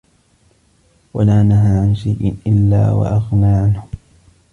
وَلَا نَهَى عَنْ شَيْءٍ إلَّا وَأَغْنَى عَنْهُ